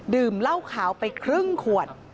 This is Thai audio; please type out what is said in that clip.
ดื่มเหล้าขาวไปครึ่งขวด